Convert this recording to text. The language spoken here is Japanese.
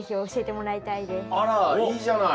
あらいいじゃない。